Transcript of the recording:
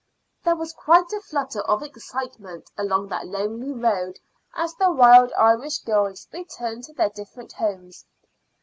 There was quite a flutter of excitement along that lonely road as the Wild Irish Girls returned to their different homes.